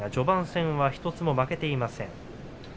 序盤戦１つも負けていません